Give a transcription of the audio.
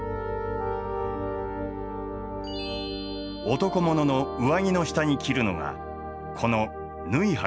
男物の上着の下に着るのがこの縫箔という装束。